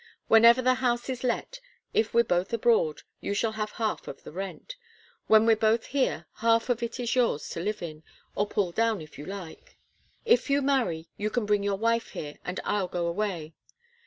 Whenever the house is let, if we're both abroad, you shall have half of the rent. When we're both here, half of it is yours to live in or pull down, if you like. If you marry, you can bring your wife here, and I'll go away.